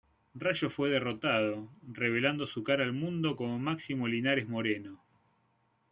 Rayo fue derrotado, revelando su cara al mundo como Máximo Linares Moreno.